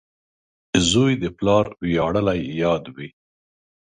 • زوی د پلار ویاړلی یاد وي.